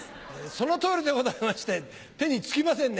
その通りでございまして手につきませんね。